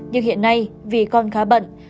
nhưng hiện nay vì con khá bận